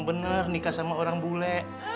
benar nikah sama orang bule